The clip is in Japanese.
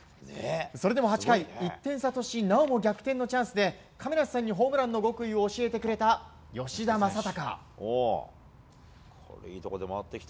それでも８回１点差としなおも逆転のチャンスで亀梨さんにホームランの極意を教えてくれた吉田正尚！